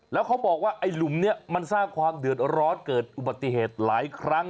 แล้วเขาบอกว่าไอ้หลุมนี้มันสร้างความเดือดร้อนเกิดอุบัติเหตุหลายครั้ง